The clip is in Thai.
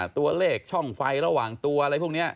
ตัวเลขช่องไฟระหว่างตัวอะไรพวกนี้